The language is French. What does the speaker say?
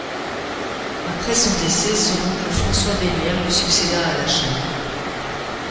Après son décès, son oncle François d'Aillières lui succéda à la Chambre.